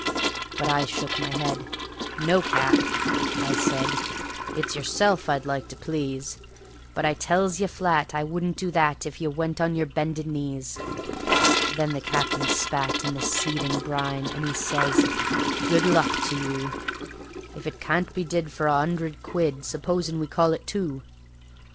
But I shook my head: "No, Cap," I said; "it's yourself I'd like to please, But I tells ye flat I wouldn't do that if ye went on yer bended knees." Then the Captain spat in the seething brine, and he says: "Good luck to you, If it can't be did for a 'undred quid, supposin' we call it two?"